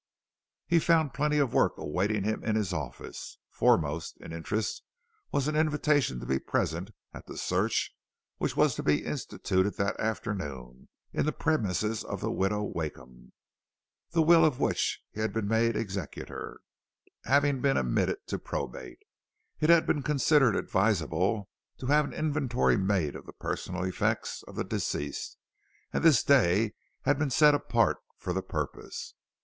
He found plenty of work awaiting him in his office. Foremost in interest was an invitation to be present at the search which was to be instituted that afternoon in the premises of the Widow Wakeham. The will of which he had been made Executor, having been admitted to probate, it had been considered advisable to have an inventory made of the personal effects of the deceased, and this day had been set apart for the purpose.